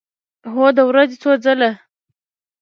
هو، د ورځې څو ځله